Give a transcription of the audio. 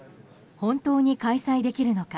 本当に開催できるのか。